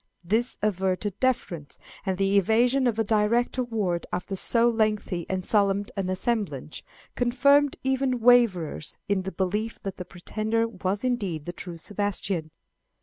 This averred deference, and the evasion of a direct award after so lengthy and solemn an assemblage, confirmed even waverers in the belief that the pretender was indeed the true Sebastian.